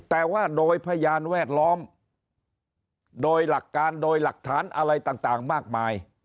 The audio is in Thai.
แต่ว่าโดยพยานแวดล้อมโดยหลักการโดยหลักฐานอะไรต่างมากมาย